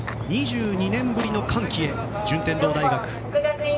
２２年ぶりの歓喜へ順天堂大学。